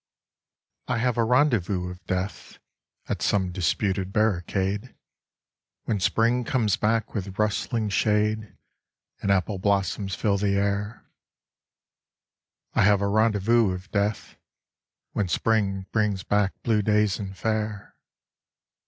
I have a rendezvous with Death At some disputed barricade, When Spring comes back with rustling shade And apple blossoms fill the air I have a rendezvous with Death When Spring brings back blue days and fair.